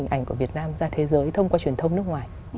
hình ảnh của việt nam ra thế giới thông qua truyền thông nước ngoài